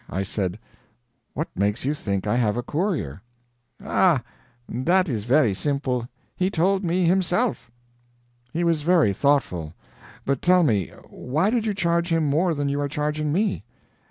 I said: "What makes you think I have a courier?" "Ah, that is very simple; he told me himself." "He was very thoughtful. But tell me why did you charge him more than you are charging me?"